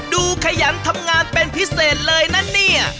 ขยันทำงานเป็นพิเศษเลยนะเนี่ย